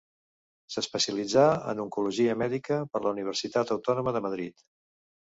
S'especialitzà en oncologia mèdica per la Universitat Autònoma de Madrid.